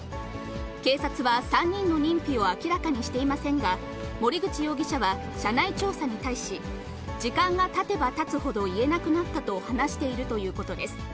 警察は３人の認否を明らかにしていませんが、森口容疑者は社内調査に対し、時間がたてばたつほど言えなくなったと話しているということです。